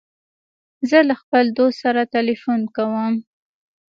زه له خپل دوست سره تلیفون کوم.